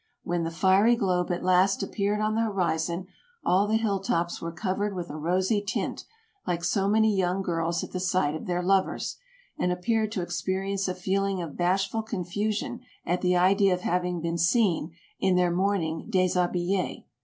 When the fiery globe at last appeared on the horizon, all the hill tops were covered with a rosy tint, like so many young girls at the sight of their lovers, and appeared to experience a feel ing of bashful confusion at the idea of having been seen in their morning desJiabille.